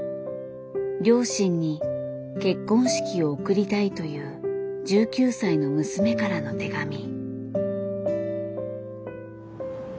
両親に結婚式を贈りたいという１９歳の娘からの手紙。